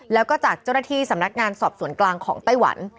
แล้วก็จากเจ้าหน้าที่สำนักงานสอบสวนกลางของไต้หวัน